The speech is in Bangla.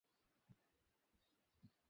মেয়েটি অস্ফুট গলায় কী-যেন বলল।